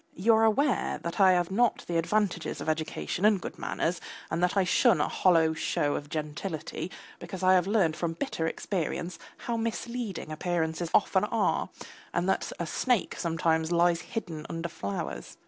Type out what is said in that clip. You are aware that I have not the advantages of education and good manners, and that I shun a hollow show of gentility because I have learned from bitter experience how misleading appearances often are, and that a snake sometimes lies hidden under flowers.